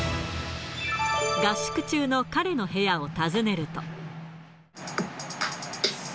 合宿中の彼の部屋を訪ねると。